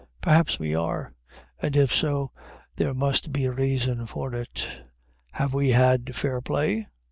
Perhaps we are; and if so, there must be a reason for it. Have we had fair play?